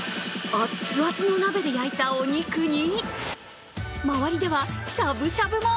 あっつあつの鍋で焼いたお肉に、周りではしゃぶしゃぶも。